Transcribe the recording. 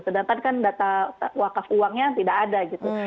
sedangkan kan data wakaf uangnya tidak ada gitu